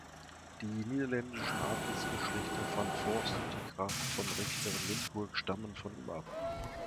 Die niederländischen Adelsgeschlechter van Voorst und die Grafen von Rechteren-Limpurg stammen von ihm ab.